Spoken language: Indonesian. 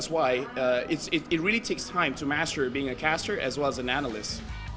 sebab itulah sangat mengambil waktu untuk memastikan menjadi caster dan analis